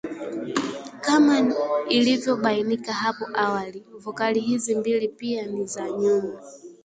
Kama ilivyobainika hapo awali, vokali hizi mbili pia ni za nyuma